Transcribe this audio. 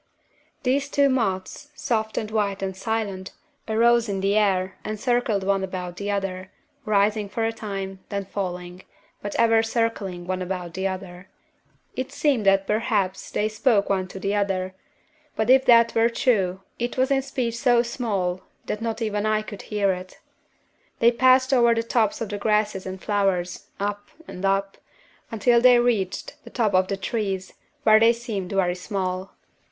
"These two moths, soft and white and silent, arose in the air and circled one about the other, rising for a time, then falling, but ever circling one about the other. It seemed that perhaps they spoke one to the other, but if that were true it was in speech so small that not even I could hear it. They passed over the tops of the grasses and flowers, up and up, until they reached the tops of the trees, where they seemed very small.